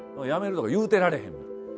やめるとか言うてられへん。